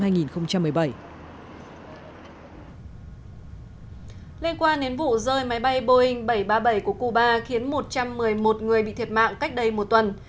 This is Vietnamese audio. lên qua nến vụ rơi máy bay boeing bảy trăm ba mươi bảy của cuba khiến một trăm một mươi một người bị thiệt mạng cách đây một tuần